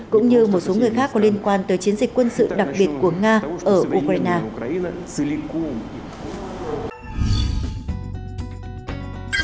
cũng như một số người khác có liên quan tới chiến dịch quân sự đặc biệt của nga ở ukraine